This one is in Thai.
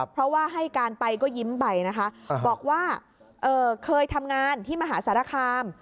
เพราะว่าให้การไปก็ยิ้มไปนะคะบอกว่าเคยทำงานที่มหาสารคาม